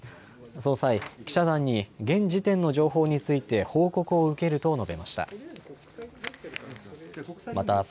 その際、記者団に現時点の情報について報告を受けると述べました。